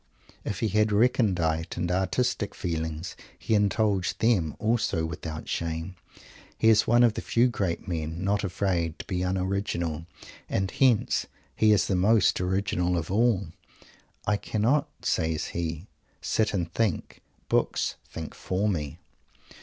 If he had recondite and "artistic" feelings, he indulged them also without shame. He is one of the few great men not afraid to be un original, and hence he is the most original of all. "I cannot," says he, "sit and think. Books think for me."